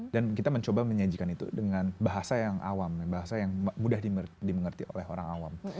dan kita mencoba menyajikan itu dengan bahasa yang awam bahasa yang mudah dimengerti oleh orang awam